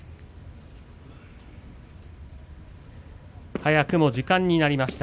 早くも時間になりました。